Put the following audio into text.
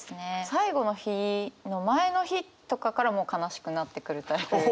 最後の日の前の日とかからもう悲しくなってくるタイプで。